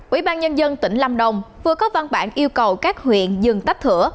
ủy ban nhân dân tỉnh lâm đồng vừa có văn bản yêu cầu các huyện dừng tách thửa